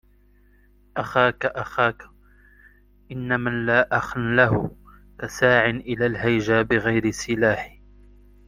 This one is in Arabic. أخاك أخاك إن من لا أخاً له كساعٍ إلى الهيجا بغير سلاح